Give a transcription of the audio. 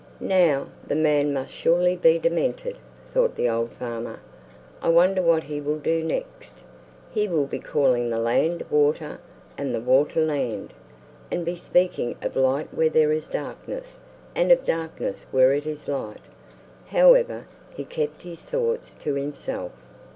"Now, the man must surely be demented!" thought the old farmer. "I wonder what he will do next? He will be calling the land water, and the water land; and be speaking of light where there is darkness, and of darkness where it is light." However, he kept his thoughts to himself.